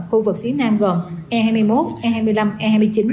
khu vực phía nam gồm e hai mươi một e hai mươi năm e hai mươi chín